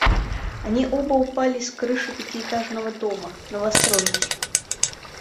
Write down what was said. Они оба упали с крыши пятиэтажного дома, новостройки.